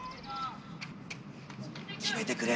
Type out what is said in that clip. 決めてくれ。